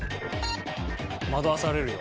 惑わされるよ。